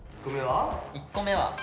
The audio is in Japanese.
１個目は。